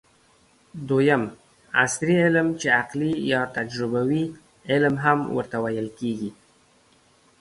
دویم : عصري علم چې عقلي یا تجربوي علم هم ورته ويل کېږي